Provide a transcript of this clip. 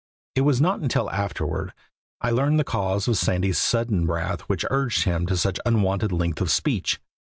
It was not till afterward I learned the cause of Sandy's sudden wrath which urged him to such unwonted length of speech.